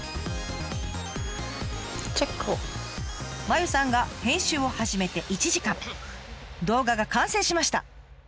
まゆさんが編集を始めて１時間動画が完成しました。